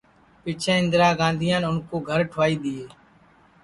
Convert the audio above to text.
پِچھیں اِندرا گاندھیان اُن کُو گھر ٹُھوائی دؔیئے